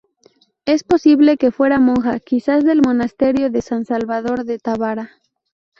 Es posible que fuera monja, quizás del monasterio de San Salvador de Tábara.